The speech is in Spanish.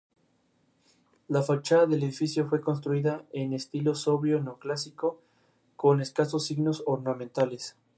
Sólo quienes tenían sus ingresos asegurados en pesos oro estaban libres de la misma.